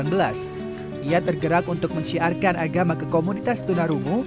ketika berjalan ke negara mereka mengajarkan agama ke komunitas tunarungu